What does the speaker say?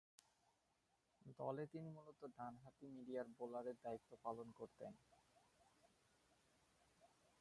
দলে তিনি মূলতঃ ডানহাতি মিডিয়াম বোলারের দায়িত্ব পালন করতেন।